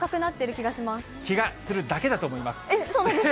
気がするだけだと思います。